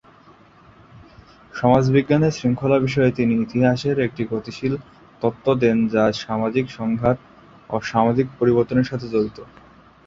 সমাজবিজ্ঞানের শৃঙ্খলা বিষয়ে তিনি ইতিহাসের একটি গতিশীল তত্ত্ব দেন যা সামাজিক সংঘাত ও সামাজিক পরিবর্তনের সাথে জড়িত।